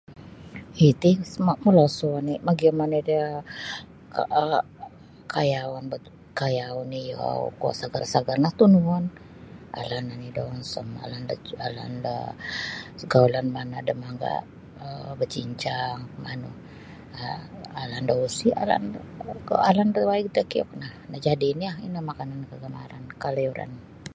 Iti molosu' oni magiyum oni da um kayaun bat kayaun iyou kuo segar-segar no tunuon alan oni da onsom alan da gaulan mana da mangga bacincang alan da usi alan da waig takiuk nah najadi nio ino makanan kagamaran kaliyuran.